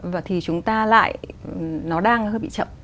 và thì chúng ta lại nó đang hơi bị chậm